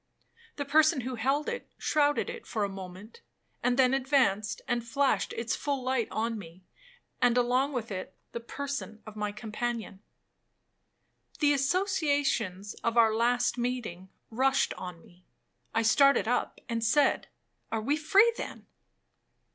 The person who held it shrouded it for a moment, and then advanced and flashed its full light on me, and along with it—the person of my companion. The associations of our last meeting rushed on me. I started up, and said, 'Are we free, then?'